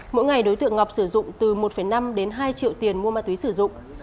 mỗi ngày đối tượng ngọc sử dụng từ một năm đến hai triệu tiền mua ma túy sử dụng